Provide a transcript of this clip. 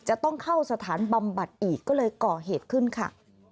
จะต้องเข้าสถานบำบัดอีกก็เลยก่อเหตุขึ้นค่ะ